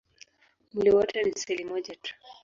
Mwili wote ni seli moja tu.